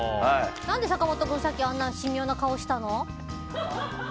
何で坂本君さっきあんな神妙な顔したの？